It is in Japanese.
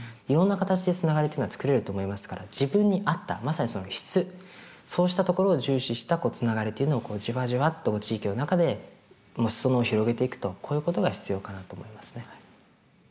いろんな形でつながりというのはつくれると思いますから自分に合ったまさにその質そうしたところを重視したつながりというのをじわじわっと地域の中で裾野を広げていくとこういうことが必要かなと思いますね。